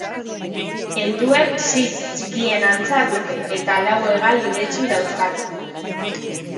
Helduek sits txikien antza dute eta lau hegal iletsu dauzkate.